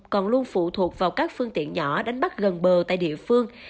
còn luôn phụ thuộc vào các phương tiện nhỏ đánh bắt gần bờ tại địa phương